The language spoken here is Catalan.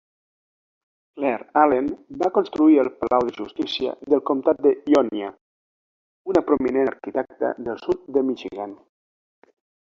Claire Allen va construir el Palau de Justícia del comtat de Ionia, una prominent arquitecta del sud de Michigan.